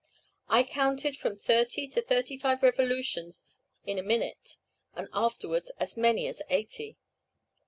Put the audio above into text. I counted from thirty to thirty five revolutions in a minute, and afterwards as many as eighty.